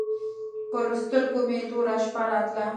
پر سترګو مې توره شپه راتله.